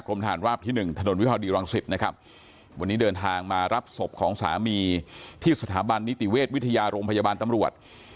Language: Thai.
ทหารราบที่๑ถนนวิภาวดีรังสิตนะครับวันนี้เดินทางมารับศพของสามีที่สถาบันนิติเวชวิทยาโรงพยาบาลตำรวจ